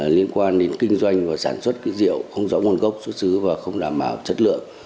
liên quan đến kinh doanh và sản xuất rượu không rõ nguồn gốc xuất xứ và không đảm bảo chất lượng